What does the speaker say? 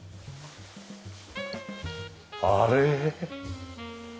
あれ。